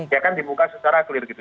ya kan dibuka secara clear gitu